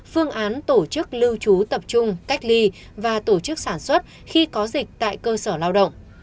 phương án tổ chức lưu trú tập trung cách ly và tổ chức sản xuất khi có dịch tại cơ sở lao động